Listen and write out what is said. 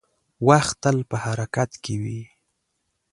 • وخت تل په حرکت کې وي.